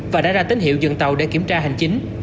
và đã ra tín hiệu dừng tàu để kiểm tra hành chính